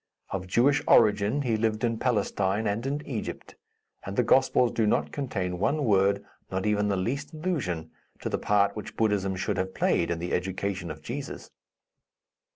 Of Jewish origin, he lived in Palestine and in Egypt; and the Gospels do not contain one word, not even the least allusion, to the part which Buddhism should have played in the education of Jesus.